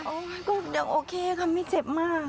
โอ้โหเดี๋ยวโอเคค่ะไม่เจ็บมาก